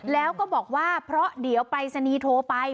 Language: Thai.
แล้วก็บอกว่าเพราะเดี๋ยวไปสนีทโทไป